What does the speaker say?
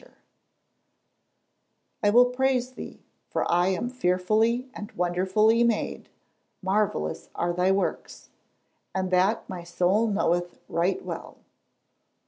[Verse: "I will praise thee; for I am fearfully and wonderfully made; marvellous are thy works; and that my soul knoweth right well."